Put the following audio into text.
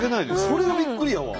それがびっくりやわ。